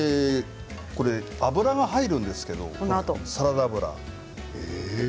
油が入るんですけれど、サラダ油。